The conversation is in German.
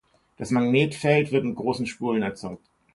Das Magnetfeld wird mit großen Spulen erzeugt.